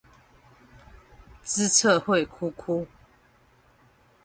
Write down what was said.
資策會哭哭